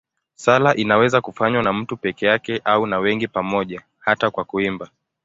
Sala inaweza kufanywa na mtu peke yake au na wengi pamoja, hata kwa kuimba.